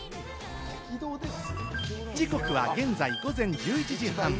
時刻は現在、午前１１時３０分。